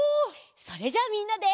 それじゃあみんなで。